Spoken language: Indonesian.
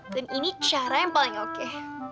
dan ini cara yang paling oke